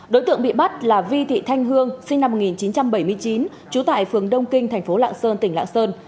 đối tượng bị bắt là vi thị thanh hương sinh năm một nghìn chín trăm bảy mươi chín trú tại phường đông kinh thành phố lạng sơn tỉnh lạng sơn